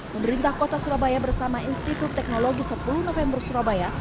pemerintah kota surabaya bersama institut teknologi sepuluh november surabaya